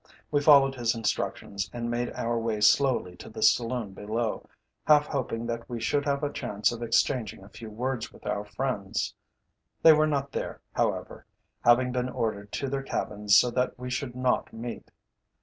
We followed his instructions, and made our way slowly to the saloon below, half hoping that we should have a chance of exchanging a few words with our friends. They were not there, however, having been ordered to their cabins so that we should not meet.